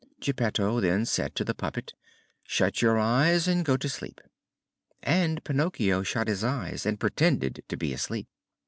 Geppetto then said to the puppet: "Shut your eyes and go to sleep!" And Pinocchio shut his eyes and pretended to be asleep.